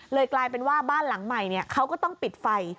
กลายเป็นว่าบ้านหลังใหม่เขาก็ต้องปิดไฟ